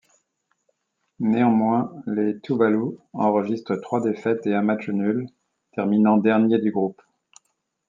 Néanmoins, les Tuvalu enregistrent trois défaites et un match nul, terminant derniers du groupe.